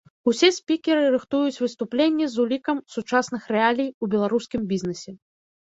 Усе спікеры рыхтуюць выступленні з улікам сучасных рэалій у беларускім бізнесе.